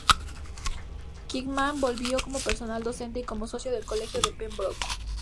Kingman volvió como personal docente y como socio del Colegio de Pembroke.